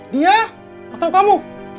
dia atau kamu